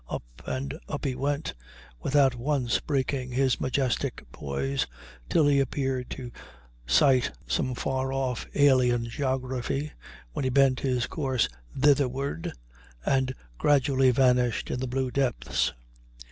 Up and up he went, without once breaking his majestic poise, till he appeared to sight some far off alien geography, when he bent his course thitherward and gradually vanished in the blue depths.